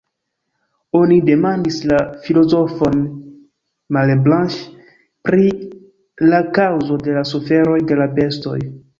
Oni demandis la filozofon Malebranche pri la kaŭzo de la suferoj de la bestoj.